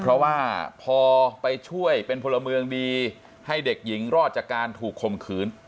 เพราะว่าพอไปช่วยเป็นพลเมืองดีให้เด็กหญิงรอดจากการถูกข่มขืน